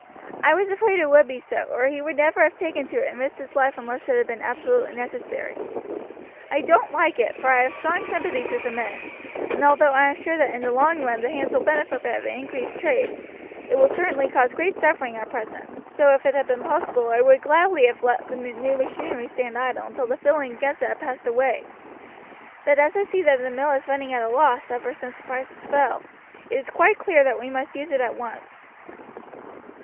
I was afraid it would be so, or he would never have taken to it and risked his life unless it had been absolutely necessary. I don't like it, for I have strong sympathies with the men, and although I am sure that in the long run the hands will benefit by the increased trade, it certainly cause great suffering at present, so if it had been possible I would gladly have let the new machinery stand idle until the feeling against it had passed away; but as I see that the mill has been running at a loss ever since prices fell, it is quite clear that we must use it at once."